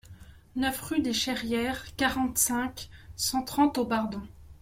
neuf rue des Cherrières, quarante-cinq, cent trente au Bardon